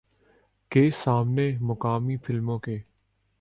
کے سامنے مقامی فلموں کے